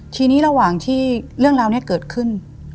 ทีนี้ระหว่างที่เรื่องราวนี้เกิดขึ้น